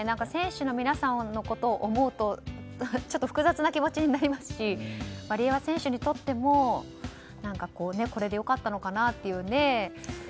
選手の皆さんのことを思うと複雑な気持ちになりますしワリエワ選手にとってもこれで良かったのかなというね。